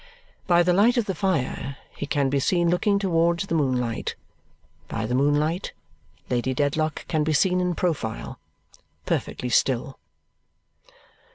By the light of the fire he can be seen looking towards the moonlight. By the moonlight, Lady Dedlock can be seen in profile, perfectly still.